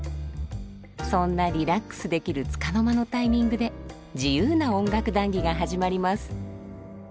そんなリラックスできるつかの間のタイミングで自由な音楽談議が始まります。